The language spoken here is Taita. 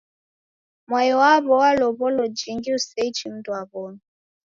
Mwai waw'o walow'olo jingi useichi mndu wa w'omi.